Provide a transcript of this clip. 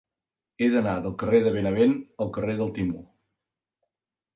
He d'anar del carrer de Benevent al carrer del Timó.